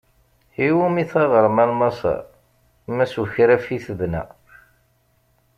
I wumi taɣerma n Maṣaṛ ma s ukraf i tebna.